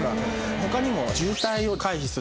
他にも。